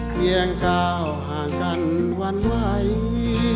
เพียงก้าวห่างกันวันไหว